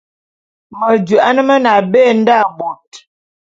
Medouan mene abé nda bot.